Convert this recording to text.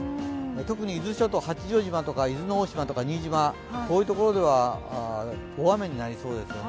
特に伊豆諸島、八丈島とか伊豆大島とか新島新島、こういうところでは大雨になりそうですね。